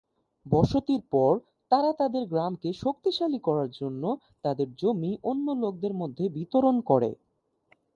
বসতির পর, তারা তাদের গ্রামকে শক্তিশালী করার জন্য তাদের জমি অন্য লোকেদের মধ্যে বিতরণ করে।